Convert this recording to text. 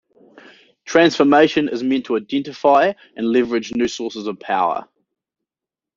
Transformation is meant to identify and leverage new sources of power.